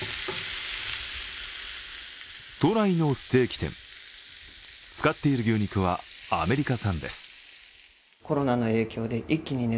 都内のステーキ店、使っている牛肉はアメリカ産です。